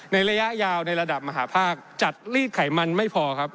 ระยะยาวในระดับมหาภาคจัดรีดไขมันไม่พอครับ